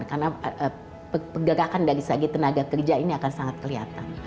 karena pergerakan dari segi tenaga kerja ini akan sangat kelihatan